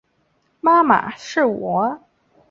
妈妈，是我